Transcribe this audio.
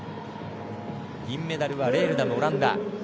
銀メダルはレールダム、オランダ。